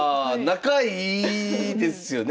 仲いいですよね